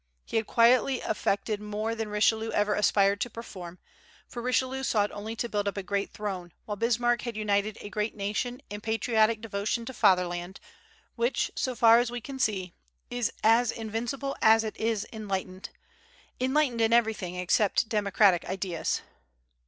He had quietly effected more than Richelieu ever aspired to perform; for Richelieu sought only to build up a great throne, while Bismarck had united a great nation in patriotic devotion to Fatherland, which, so far as we can see, is as invincible as it is enlightened, enlightened in everything except in democratic ideas.